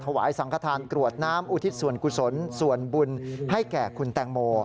ถวายสังขทานกรวดน้ำอุทิศส่วนกุศลส่วนบุญให้แก่คุณแตงโม